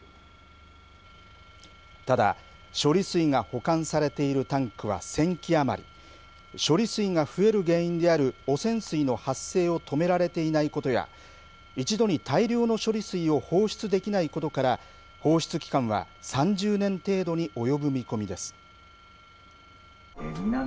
ただ、処理水が保管されているタンクは１０００基余り処理水が増える原因である汚染水の発生を止められていないことや一度に大量の処理水を放出できないことから放出期間は３０年程度に及ぶ見込みです。